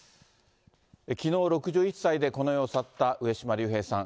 きのう、６１歳でこの世を去った、上島竜兵さん。